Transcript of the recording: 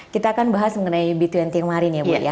kita akan bahas mengenai b dua puluh kemarin ya bu ya